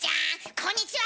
こんにちは！